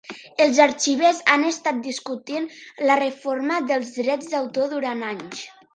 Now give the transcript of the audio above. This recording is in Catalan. Els arxivers han estat discutint la reforma dels drets d'autor durant anys.